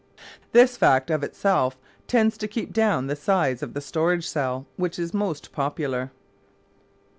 This fact of itself tends to keep down the size of the storage cell which is most popular.